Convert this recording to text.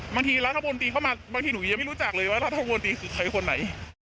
บางทีรัฐมนตรีเข้ามาบางทีหนูยังไม่รู้จักเลยว่ารัฐมนตรีคือใครคนไหน